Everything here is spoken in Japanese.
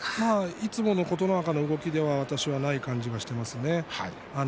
いつもの琴ノ若の動きではない気がしていますね。